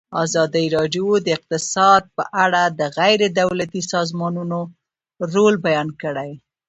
ازادي راډیو د اقتصاد په اړه د غیر دولتي سازمانونو رول بیان کړی.